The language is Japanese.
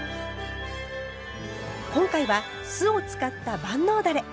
今回は酢を使った万能だれ。